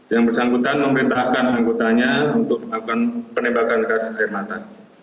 yang bersangkutan memerintahkan anggotanya untuk melakukan penembakan gas air mata